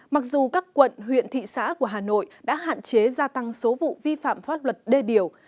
mặc dù các quận huyện thị xã của hà nội đã hạn chế gia tăng số vụ vi phạm pháp luật đê điều